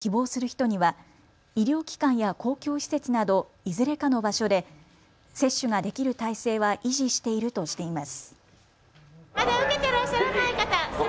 ただ、いずれの区でも来月以降も接種を希望する人には医療機関や公共施設などいずれかの場所で接種ができる体制は維持しているとしています。